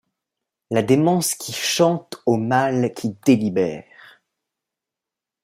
La démence qui chante au mal qui délibère